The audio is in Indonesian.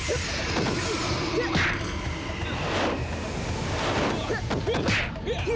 dasar siluman kau